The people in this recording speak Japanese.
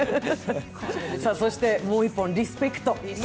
そしてもう１本、「リスペクト」。